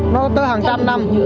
nó tới hàng trăm năm